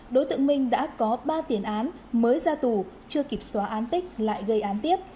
đối tượng minh đã có ba tiền án mới ra tù chưa kịp xóa án tích lại gây án tiếp